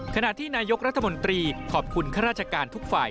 ขณะที่นายกรัฐมนตรีขอบคุณข้าราชการทุกฝ่าย